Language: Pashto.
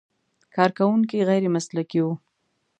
کارکوونکي غیر مسلکي و.